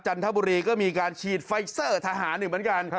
จันทบุรีก็มีการฉีดไฟเซอร์ทหารอีกเหมือนกัน